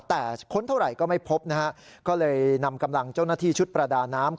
แต่ค้นเท่าไหร่ก็ไม่พบนะฮะก็เลยนำกำลังเจ้าหน้าที่ชุดประดาน้ำ